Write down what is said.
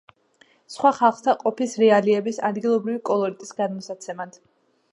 სხვა ხალხთა ყოფის რეალიების, ადგილობრივი კოლორიტის გადმოსაცემად.